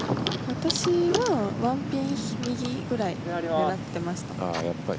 私は１ピン右ぐらい狙っていました。